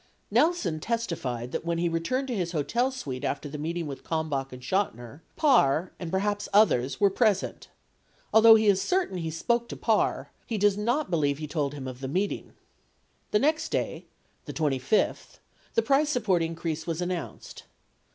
7 Nelson testified that when he returned to his hotel suite after the meeting with Kalmbach and Chotiner, Parr and perhaps others were present. Although he is certain he spoke to Parr, he does not believe he told him of the meeting. 8 The next day, the 25th, the price support increase was announced.